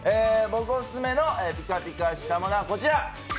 僕オススメのピカピカしたものは、こちら。